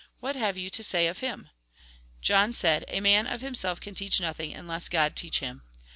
What have you to say of him ?" John said :" A man of himself can teach nothing, unless God teach him.